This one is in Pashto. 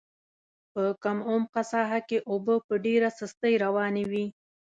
په کم عمقه ساحه کې اوبه په ډېره سستۍ روانې وې.